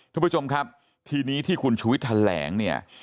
ทุกผู้ชมครับทีนี้ที่คุณชุวิตแถลงเนี่ย